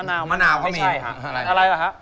มะนาวมะนาวก็มีอะไรฮะไม่ใช่อะไร